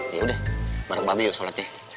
yaudah bareng bambi yuk sholatnya